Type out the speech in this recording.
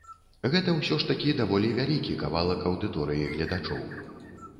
Гэта ўсё ж такі даволі вялікі кавалак аўдыторыі гледачоў.